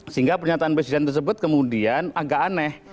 sehingga pernyataan presiden tersebut kemudian agak aneh